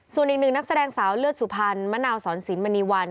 ส่วนอีกหนึ่งนักแสดงสาวเลือดสุพรรณมะนาวสอนสินมณีวัน